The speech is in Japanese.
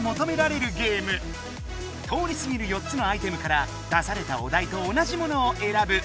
通りすぎる４つのアイテムから出されたおだいと同じものをえらぶ。